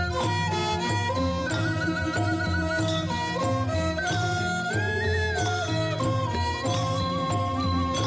จริง